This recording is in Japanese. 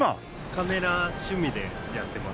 カメラ趣味でやってます。